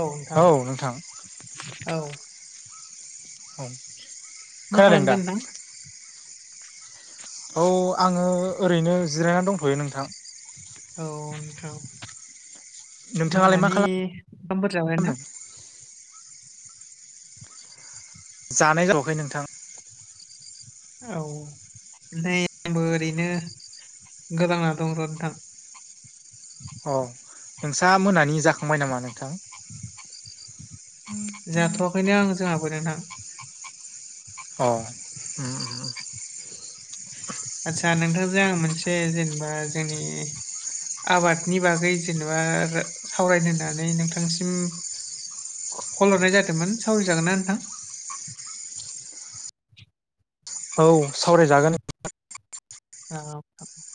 औ नोंथां औ। औ मा खोनादों खालामदो दा नोंथां? औ आङो ओरैनो जिरायनानै दंथ'यो नोंथां। औ नोंथां नोंथाङालाय मा मोनानि ओंखामफोर जाबाय ना? खालामदों जानाय जाथ'वाखै नोंथां। औ नै आंबो ओरैनो गोलांना दं र' नोंथां। अ नोंसा मोनानि जाखांबाय नामा नोंथां? जाथ'वाखैनो आं जोंहाबो नोंथां। अ उम-उम-उम। आदसा नोंथांजों आं मोनसे जेनेबा जोंनि आबादनि बागै जेनेबा सावरायनो होननानै नोंथांसिम खल हरनाय जादोंमोन सावलि जागोन ना नोंथां? औ सावरायजागोन। औ।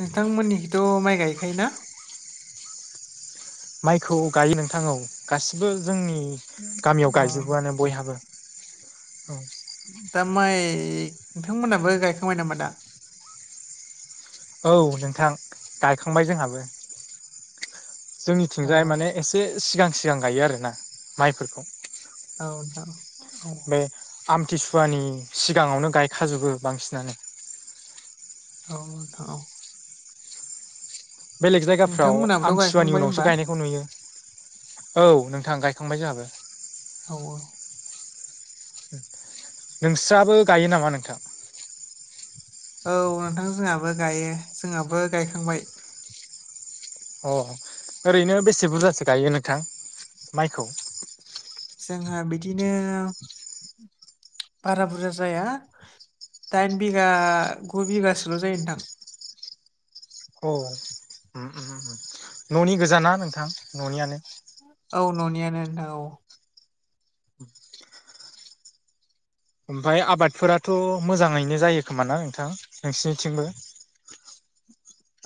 नोंथांमोननिखौिथ' माइ गायखायोना? माइखौ गायो नोंथां औ गासिबो जोंनि गामियाव औ गायजोबोआनो बयहाबो। औ। दा माइ नोंथांमोनहाबो गायखांबाय नामा दा? औ नोंथां गायखांबाय जोंहाबो। औ जोंनिथिंजाय माने एसे सिगां-सिगां गायो आरो ना माइफोरखौ। औ नोंथां औ। औ बे आमथिसुवानि सिगाङावनो गायखाजोबो बांसिनानो। औ नोंथां औ। बेलेग जायगाफ्राव नोंथांमोनाबोथ' आमथिुवानि गायखांबाय उनावसो होमबा गायनायखौ नुयो। औ नोंथां गायखांबाय जाहाबो। औ-औ। नोंस्राबो गायो नामा नोंथां? औ नोंथां जोंहाबो गायो जोंहाबो गायखांबाय। अ ओरैनो बेसे बुरजासो गायो नोंथां माइखौ? जोंहा बिदिनो बारा बुरजा जाया। दाइन बिगा गु बिगासोल' जायो नोंथां। औ उम उम न'नि गोजााना नोंथां न'नियानो? औ न'नियानो नोंथां औ। ओमफाय आबादफोराथ' मोजाङैनो जायो खोमा ना नोंथां नोंसिनिथिंबो?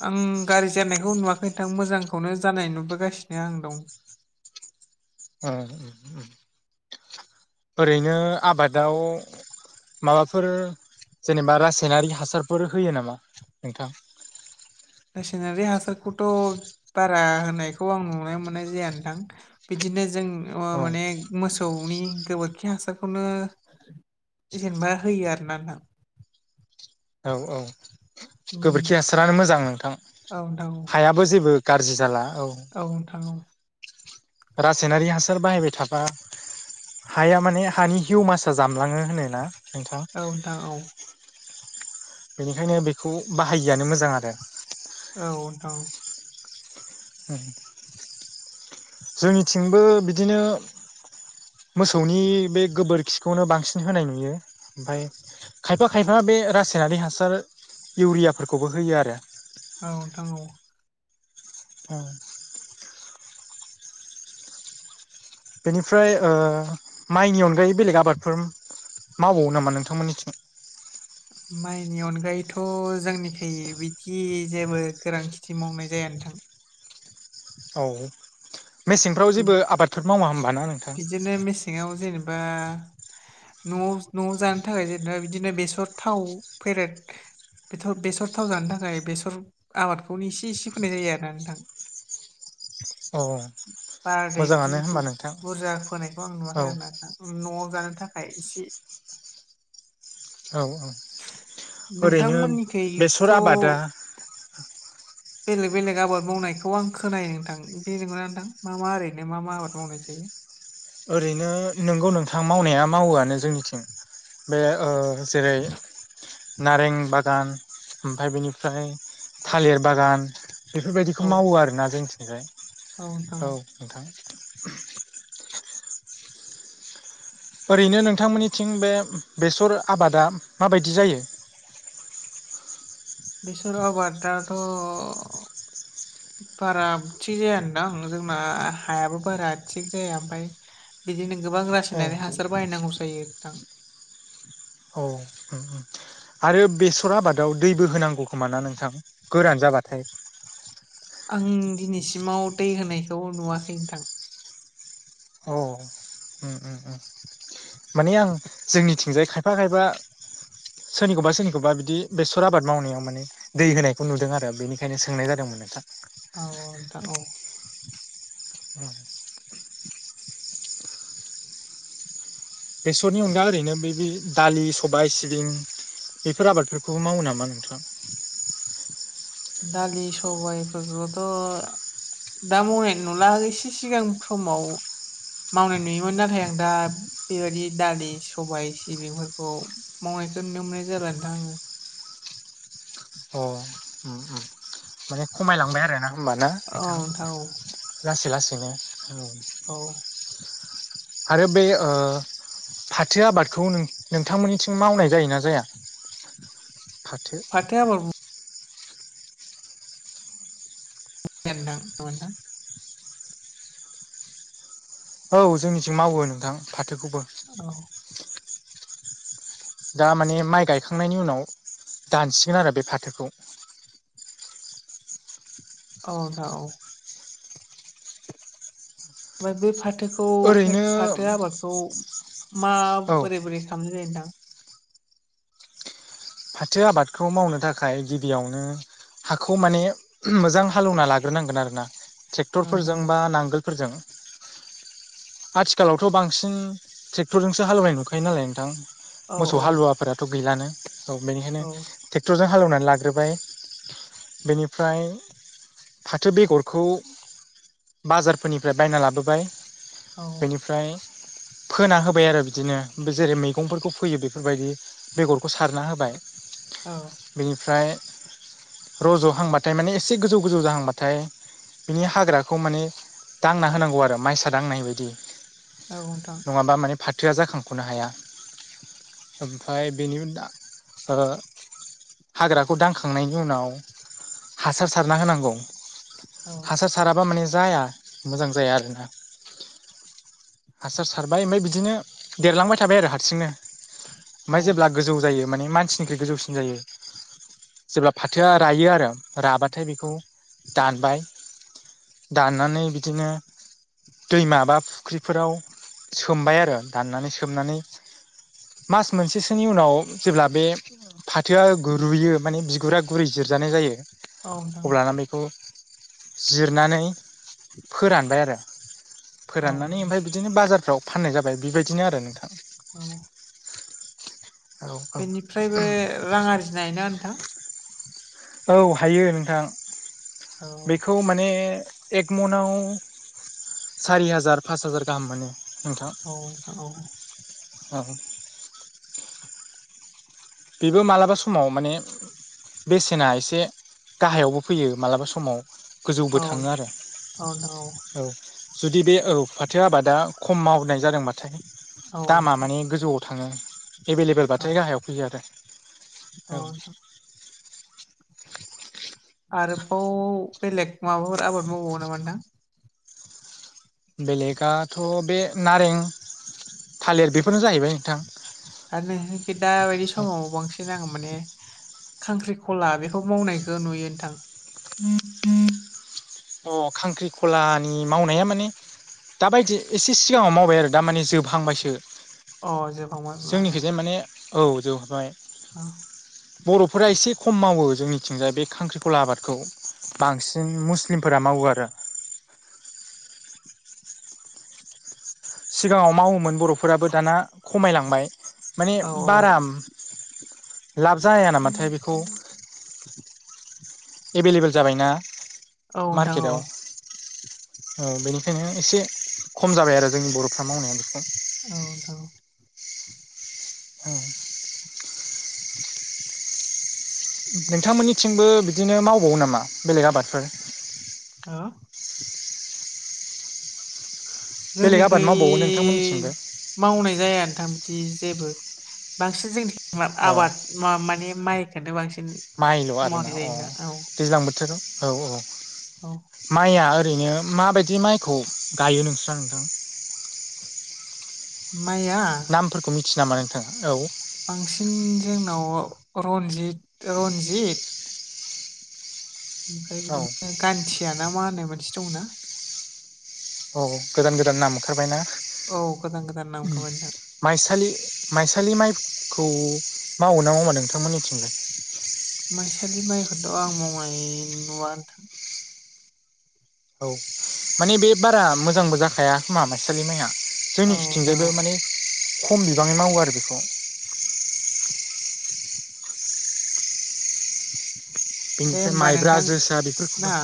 आं गारि जानायखौ नुवाखै नोंथां मोजांखौनो जानाय नुबोगासिनो आं दं। ओ उम। ओरैनो आबादाव माबाफोर जेनेबा रासायनारि हासारफोर होयो नामा नोंथां? रासायनारि हासारखौथ' बारा होनायखौ आं नुनो मोननाय जाया नोंथां। बिदिनो जों औ माने मोसौनि गोबोरखि हासारखौनो जेनेबा होयो आर नोंथां। औ औ उम गोबोरखि हासारानो मोजां नोंथां औ नोंथां औ हाया बो जेबो गाज्रि जाला औ औ नोंथां औ रासायनारि हासार बाहायबाय थाबा हाया माने हानि हिउ मासआ जामलाङो होन ना नोंथां। औ नोंथां औ बेनिखायनो बेखौ बाहायिआानो मोजां आरो। औ नोंथां औ जोंनिथिंबो बिदिनो मोसौनि बे गोबोरखिखौनो बांसिन होनाय नुयो ओमफाय खायफा खायफा बे रासायनारि हासार इउरियाफोरखौबो होयो आरो। औ नोंथां औ उम बेनिफ्राय माइनि अनगायै बेलेग आबादफोर मावबावो नामा नोंथांमोननिथिं? माइनि अनगायैथ' जोंनिखै बिदि जेबो गोरान खेथि मावनाय जाया नोंथां। औ मेसेंफ्राव जेबो आबादफोर मावा होमबा ना नोंथां? बिदिनो मेसेङाव जेनेबा न'आव न'आव जानो थाखाय जेनेबा बिदिनो बेसर थाव फेरेद बेथ' बेसर थाव जानो थाखाय बेसर आबादखौनो इसे इसे फाननाय जायो आरोना नोंथां। अ बाराद्राय बिदि मोजाङानो हबा नोंथां। बुरजा फोनायखौ आं औ नुवाखै आरो ना दा न'आव जानो थाखाय इसे औ औ ओरैनो बेसर नोंथांमोननिखैथ' आबादा बेलेग बेलेग आबाद मावनायखौ आं खोनायो नोंथां बे नंगौना नोंथां मा मा ओरैनो मा मा आबाद मावनाय जायो? ओरैनो नोंगौ नोंथां मावनाया मावोआनो जोंनिथिं बे जेरै नारें बागान ओमफफ्राय बेनिफ्राय थालिर बागान औ बेफोरबायदिखौ मावो आरोोना जोंनिथिंजाय औ नोंथां। ओरैनो नोंथांमोननिथिं बे बेसर आबादा माबायदि जायो? बेसोर आबादाथ' [inaudible] बारा थिग जायानदां जोंना हायाबो बारा थिग जाया ओमफाय बिदिनो गोबां औ रासायनानै हासार बाहायनांगौ जायो नोंथां। औ उम उम आरो बेसर आबादाव दैबो होनांगौ खोमा ना नोंथां गोरान जाबाथाय? आं दिनैसिमाव दै होनायखौ नुवाखै नोंथां। औ उम उम उम माने आं जोंनिथिंजाय खायफा खायफा सोरनिखौबा सोरनिखौबा बिदि बेसर आबाद मावनायाव माने दै होनायखौ नुदों आरो बेनिखायनो सोंनाय जादोंमोन नोंथां। औ नोंथां औ [inaudible] बेसरनि अनगा ओरैनो बे दालि, सबाय, सिबिं बेफोर आबादफोरखौबो मावो नामा नोंथाङा? दालि सबायफोरखौथ' दा मावनाय नुला एसे सिगां समाव मावनाय नुयोमोन नाथाय आं दा बेबायदि दालि सबाय सिबिंफोरखौ मावनायखौ नुनो मोननाय जाला नोंथां आङो। अ उ [unintelligible] माने खमायलांबाय आरोना होमबाना नोंथां आङो लासै लासैनो। औ आरो बे ओ फाथो आबादखौ नोंथांमोननिथिं मावनाय जायोना जाया फाथो? फाथो आबाद फोरखौ ा थदा [unintelligible] औ जोंनिथिं मावो नोंथां फाथोखौबो। औ दा माने माइ गायखांनायनि उनाव दानसिगोन आरो बे फाथोखौ। औ औ ओमफ्राय बे फाथोखौ ओरैनो फाथो आबादखौ मा औ बोरै बोरै खामनाय जायो नोंथां? फाथो आबादखौ मावनो थाखाय गिबियावनो हाखौ माने मोजां हालेवना लाग्रोनांगोन आरोना ट्रेक्टरफोरजों नोंथां बा नांगोल फोरजों आथिखालावथ' बांसिन ट्रेक्टरजोंसो हालेवनाय नुखायो नालाय नोंथां। औ मोसौ नोंथां औ हालुवाफोराथ' गैलानो औ बेनिखायनो ट्रेक्टरजों हालेवनानै लाग्रोबाय। बेनिफ्राय फाथो बेगरखौ बाजारफोरनिफ्राय बायना लाबोबाय बेनिफ्राय फोना होबाय आरो बिदिनो जेरै मैगंफोरखौ फोयो बेफोरबायदि बेगरखौ सारना होबाय। औ। बेनिफ्राय रज'हांबाथाय माने एसे गोजौ गोजौ जाहांबाथाय बिनि हाग्राखौ माने दांना होनांगौ आरो माइसा दांनाय बायदि। औ नोंथां। नङाबा माने फाथोआ जाखांख'नो हाया ओमफफ्राय बेनि ओ हाग्राखौ दांखांनायनि उनाव हासार सारना होनांगौ। औ हासार साराबा माने जाया मोजां जाया आरोना। हासार सारबाय ओमफ्राय बिदिनो देरलांबाय थाबाय आरो हारसिंनो। औ ओमफफ्राय जेब्ला गोजौ जायो माने मानसिनिख्रुइ गोजौसिन जायो जेब्ला फाथोआ रायो आरो राबाथाय बेखौ दानबाय दाननानै बिदिनो दैमा बा फुख्रिफोराव सोमबाय आरो दाननानै सोमनानै मास मोनसेसोनि उनाव जेब्ला बे फाथोआ गुरुयो माने बिगुरा गुरै जिरजानाय जायो औ नोंथां अब्लाना बेखौ जिरनानै फोरानबाय आरो औ फोराननानै ओमफ्राय बिदिनो बाजारफ्राव फाननाय जाबाय बेबायदिनो आरो नोंथां। औ औ औ बेनिफ्रायबो रां आरजिनाय ना नोंथां? औ हायो नोंथां औ बेखौ माने एक मनआव सारि हाजार पास हाजार गाहाम मोनो। नोंथां औ नोंथां औ ओ बेबो मालाबा समाव माने बेसेना एसे गाहायावबो फैयो मालाबा समाव औ गोजौबो थाङो आरो औ। जुदि बे ओ फाथो आबादा खम मावनाय जादोंबाथाय औ दामा नोंथां माने गोजौआव थाङो औ एभेलेबेलबाथाय गाहायाव फैयो आरो। औ आरोबाव बेलेग माबाफोर आबाद मावबावो नामा नोंथां? बेलेगाथ' बे नारें, थालेर बेफोरनो जाहैबाय नोंथां। आरो नोंसिनिथि दा बायदि समाव बांसिन आङो माने खांख्रिखला बेखौ मावनायखो नुयो नोंथां। अ खांख्रिखलानि मावनाया माने दाबायदि एसे सिगाङाव मावबाय आरो दा माने जोबहांबायसो। अ जोब जोंनिखैजाय माने औ जोबबाय। [inaudible] बर'फोरा एसे खम मावो जोंनिथिंजाय बे खांख्रिखला आबादखौ। बांसिन मुस्लिमफोरा मावो आरो। सिगाङाव मावोमोन बर'फोराबो दाना खमायलांबाय। माने औ बारा लाब जाया नामाथाय बेखौ। एभेलेबेल जाबायना औ नोंथां औ मार्केटाव। औ बेनिखायनो एसे खम जाबाय आरो जोंनि बर'फ्रा मावनाया बेखौ। औ नोंथां। औ नोंथांमोननिथिंबो बिदिनो मावबावो नामा बेलेग आबादफोर? हा बेलेग आबाद जोंनिखै मावबावो नोंथांमोननिथिंबो मावनाय जाया नोंथां बिथि जेबो बांसिन जोंथि अ आबाद मा माने माइखोनो बांसिन माइल' आरोना मावनाय अ जायो नोंथां औ। दैज्लां बोथोराव औ औ। औ माइया ओरैनो माबायदि माइखौ गायो नोंस्रा नोंथां? माया? फोरखौ मिथियो नामा नोंथां औ। बांसिन जोंनाव रनजित रनजित ओमफ्राय औ बिदिनो गान्थिया ना मा होननाय मोनसि दं ना। अह गोदान गोदान नाम ओंखारबायना। औ गोदान गोदान नाम उम ओंखारबाय नोंथां। माइसालि माइसालि माइखौ मावो ना मावा नोंथांमोननिथिंलाय? माइसालि माइखौथ' आं मावनाय नुवा नोंथां। औ माने बे बारा मोजांबो जाखाया खोमा माइसालि माइया। औ नोंथां जोंनिथिंजायबो औ माने खम बिबाङै मावो आरो बेखौ। दे बेनिफ्राय होमबा माइब्रा नोंथां जोसा ना बेफोरखौबो।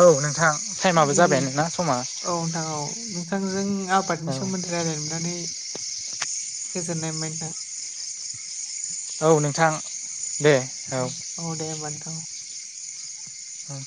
औ नोंथां टाइमाबो दिनै जाबाय नोना समा। औ नोंथां औ नोंथांजों आबादनि औ सोमोन्दै रायलाय मोननानै गोजोननाय मोनबाय नोंथां। औ नोंथां दे। औ औ दे होनबा नोंथां। औ।